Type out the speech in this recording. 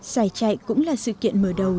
giải chạy cũng là sự kiện mở đầu